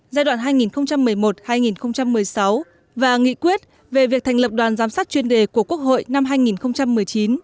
giai đoạn hai nghìn một mươi một hai nghìn một mươi sáu và nghị quyết về việc thành lập đoàn giám sát chuyên đề của quốc hội năm hai nghìn một mươi chín